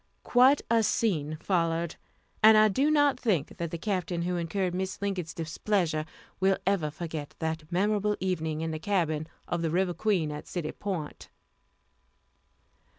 Quite a scene followed, and I do not think that the Captain who incurred Mrs. Lincoln's displeasure will ever forget that memorable evening in the cabin of the River Queen, at City Point.